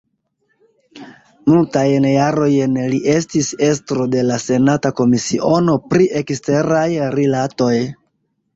Multajn jarojn li estis estro de la senata komisiono pri eksteraj rilatoj.